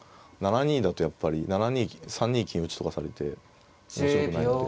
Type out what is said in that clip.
７二だとやっぱり３二金打とかされて面白くないので。